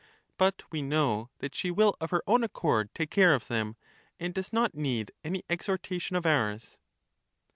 But we know that she will of her own accord take care of them, and does not need any exhortation of ours.'